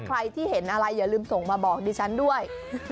ใครที่เห็นอะไรอย่าลืมส่งมาบอกดิฉันด้วย